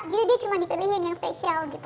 jadi dia cuma dipilihin yang special gitu